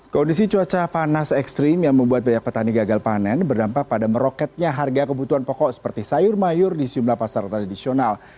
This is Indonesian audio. kondisi cuaca panas ekstrim yang membuat banyak petani gagal panen berdampak pada meroketnya harga kebutuhan pokok seperti sayur mayur di sejumlah pasar tradisional